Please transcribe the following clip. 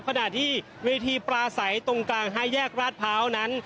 ขนาดที่เวทีปลาใสตรงกลางห้าแยกร้าภร้าวนั้น